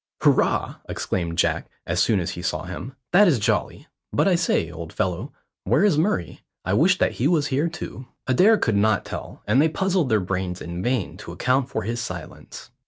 "Hurrah!" exclaimed Jack, as soon as he saw him; "that is jolly. But I say, old fellow, where is Murray? I wish that he was here too." Adair could not tell, and they puzzled their brains in vain to account for his silence.